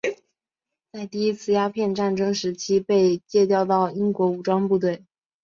在第一次鸦片战争时期被借调到英国武装部队。